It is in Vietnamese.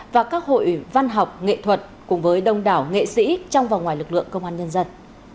và các hội văn học nghệ thuật cùng với đông đảo nghệ sĩ trong và ngoài lực lượng công an nhân dân